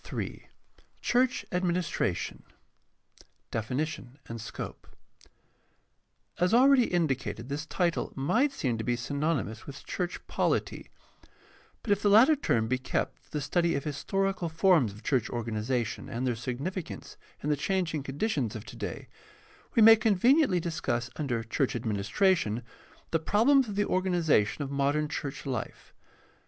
III. CHURCH ADMINISTRATION I. DEFINITION AND SCOPE As already indicated, this title might seem to be synony mous with church poKty ; but if the latter term be kept for the study of historical forms of church organization and their significance in the changing conditions of today, we may con veniently discuss under church administration the problems of the organization of modern church life.